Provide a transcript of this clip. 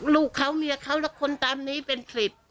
ลูกเขาเมียเขาและคนตามนี้เป็น๑๐